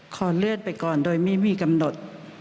ขอเลื่อนไปก่อนโดยไม่มีกำหนด